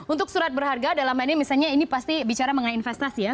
untuk surat berharga dalam hal ini misalnya ini pasti bicara mengenai investasi ya